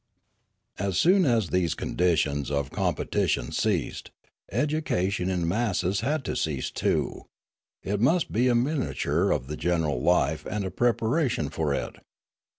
As soon as these conditions of competition ceased, education in masses had to cease too; it must be a miniature of the general life and a preparation for it.